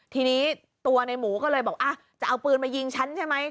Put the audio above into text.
ทีนี้ตัวในหมูก็เลยบอกจะเอาปืนมายิงฉันใช่ไหม